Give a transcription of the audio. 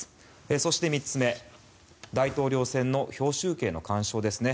そして、３つ目大統領選の票集計の干渉ですね。